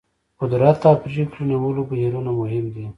قدرت او پرېکړې نیولو بهیرونه مهم دي.